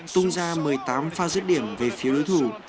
tung ra một mươi tám pha giết điểm về phiếu đối thủ